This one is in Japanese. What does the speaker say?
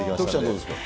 どうですか？